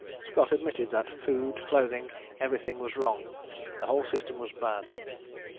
Scott admitted that "food, clothing, everything was wrong, the whole system was bad."